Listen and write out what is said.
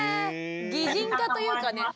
擬人化というかね